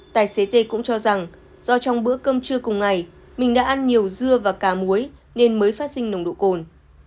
tài xế t cũng cho rằng do trong bữa cơm trưa cùng ngày mình đã ăn nhiều dưa và cà muối nên mới phát sinh nồng độ cồn